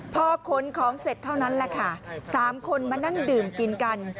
พอขนของเสร็จเท่านั้นแหละค่ะ๓คนมานั่งดื่มกินกัน